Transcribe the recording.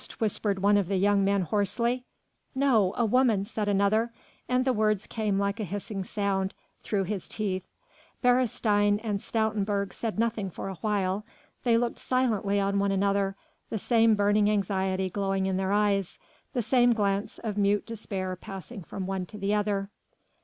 whispered one of the young men hoarsely. "No. A woman," said another, and the words came like a hissing sound through his teeth. Beresteyn and Stoutenburg said nothing for a while. They looked silently on one another, the same burning anxiety glowing in their eyes, the same glance of mute despair passing from one to the other.